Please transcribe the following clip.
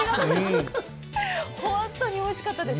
ほんとにおいしかったです。